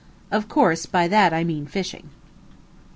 Of course, by that I mean fishing.